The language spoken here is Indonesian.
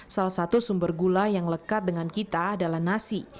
salah satu sumber gula yang lekat dengan kita adalah nasi